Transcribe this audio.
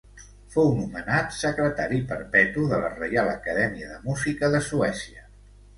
Fou nomenat secretari perpetu de la reial Acadèmia de Música, de Suècia.